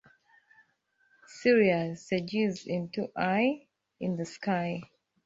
"Sirius" segues into "Eye in the Sky".